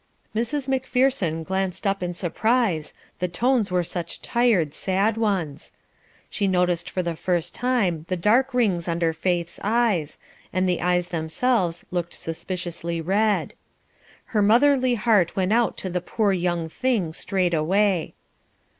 Mrs. Macpherson glanced up in surprise, the tones were such tired, sad ones. She noticed for the first time the dark rings under Faith's eyes, and the eyes themselves looked suspiciously red. Her motherly heart went out to the "poor young thing" straightway.